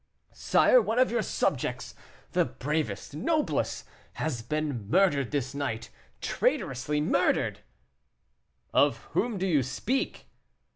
"Sire, one of your subjects, the bravest, noblest, has been murdered this night traitorously murdered!" "Of whom do you speak?"